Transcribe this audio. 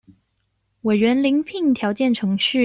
委員遴聘條件程序